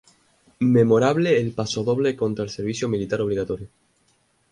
Memorable el pasodoble contra el servicio militar obligatorio.